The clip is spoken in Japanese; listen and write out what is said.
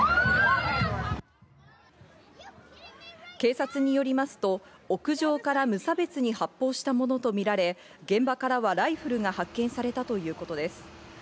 警察によりますと屋上から無差別に発砲したものとみられ、現場からはライフルが発見されたということです。